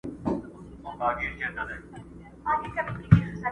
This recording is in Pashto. o ته خبريې دلته ښخ ټول انسانان دي.